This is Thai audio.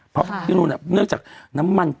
เพราะเพราะพี่รุนเนื้อจากน้ำมัน